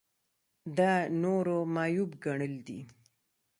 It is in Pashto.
دا نورو معیوب ګڼل دي.